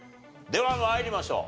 では参りましょう。